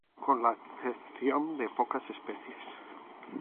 Con la excepción de pocas especies.